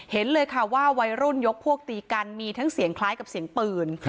เห็นเลยค่ะว่าวัยรุ่นยกพวกตีกันมีทั้งเสียงคล้ายกับเสียงปืน